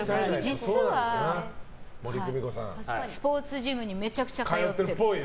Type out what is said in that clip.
実は、スポーツジムにめちゃくちゃ通ってる。